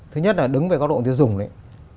thứ nhất là đứng về góc độ tiêu dùng đấy